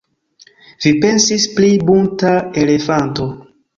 Vi pensis pri bunta elefanto!